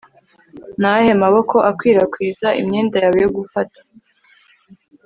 Ni ayahe maboko akwirakwiza imyenda yawe yo gufata